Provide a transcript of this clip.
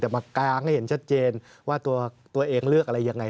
แต่มากางให้เห็นชัดเจนว่าตัวเองเลือกอะไรยังไง